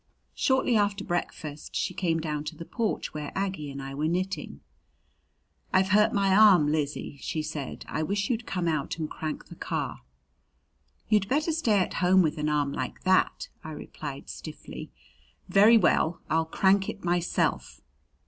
Shortly after breakfast she came down to the porch where Aggie and I were knitting. "I've hurt my arm, Lizzie," she said. "I wish you'd come out and crank the car." "You'd better stay at home with an arm like that," I replied stiffly. "Very well, I'll crank it myself."